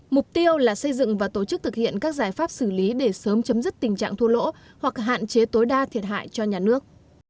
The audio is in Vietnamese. mục tiêu là xây dựng và tổ chức thực hiện các giải pháp xử lý để sớm chấm dứt tình trạng thua lỗ hoặc hạn chế tối đa thiệt hại cho nhà nước